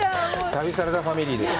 旅サラダファミリーです。